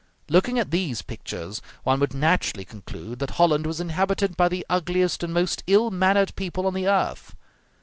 Looking at these pictures, one would naturally conclude that Holland was inhabited by the ugliest and most ill mannered people on the earth.